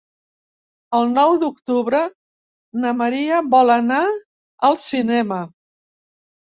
El nou d'octubre na Maria vol anar al cinema.